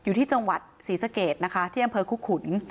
อยู่ที่จังหวัดศรีสะเกดนะคะที่อำเภอคุกขุน